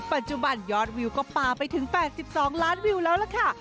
ปัจจุบันยอดวิวก็ปลาไปถึง๘๒ล้านวิวแล้วล่ะค่ะ